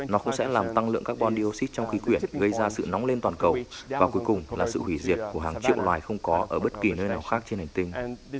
nó cũng sẽ làm tăng lượng carbon dioxide trong khí quyển gây ra sự nóng lên toàn cầu và cuối cùng là sự hủy diệt của hàng triệu loài không có ở bất kỳ nơi nào khác trên hành tinh